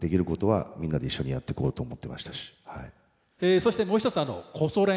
そしてもう一つコソ練。